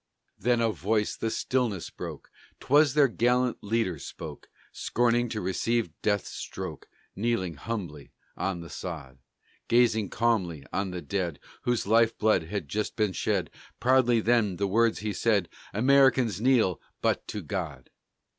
Then a voice the stillness broke: 'Twas their gallant leader spoke, Scorning to receive Death's stroke, Kneeling humbly on the sod! Gazing calmly on the dead, Whose life blood had just been shed, Proudly then the words he said, "Americans kneel but to God!"